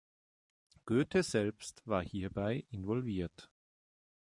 Goethe selbst war hierbei involviert.